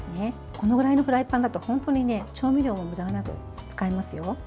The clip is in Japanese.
このぐらいのフライパンだと本当に調味料にむだがなく使えますよ。